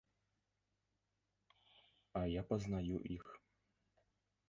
А я пазнаю іх.